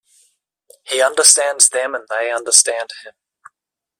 He understands them and they understand him.